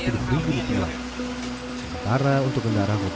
sementara untuk kendaraan roda